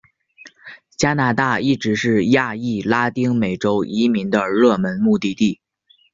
加拿大一直是亚裔拉丁美洲移民的热门目的地。